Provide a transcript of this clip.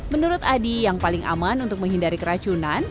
menurut adi yang paling aman untuk menghindari keracunan